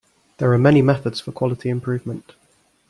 There are many methods for quality improvement.